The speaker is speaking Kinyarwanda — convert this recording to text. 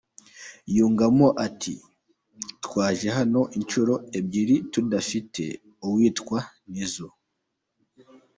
Yungamo ati “Twaje hano inshuro ebyiri tudafite uwitwa Nizzo.